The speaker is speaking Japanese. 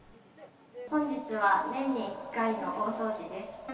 本日は、年に１回の大掃除です。